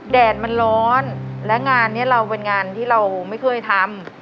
แดดมันร้อนและงานนี้เราเป็นงานที่เราไม่เคยทำ